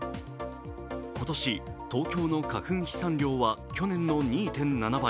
今年、東京の花粉飛散量は去年の２．７倍。